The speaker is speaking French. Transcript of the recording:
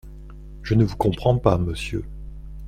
Je ne vous comprends pas, monsieur.